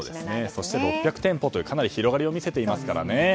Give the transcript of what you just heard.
そして６００店舗というかなり広がりを見せていますからね。